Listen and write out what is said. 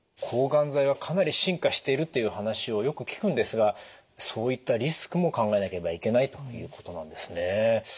抗がん剤はかなり進化しているっていう話をよく聞くんですがそういったリスクも考えなければいけないということなんですね。